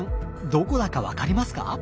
どこだか分かりますか？